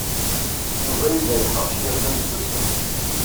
Yuba yella yeḥṛec yernu isusem.